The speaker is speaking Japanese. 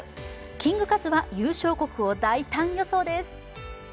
キングカズは、優勝国を大胆予想です。